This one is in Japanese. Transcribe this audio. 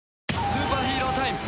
スーパーヒーロータイム。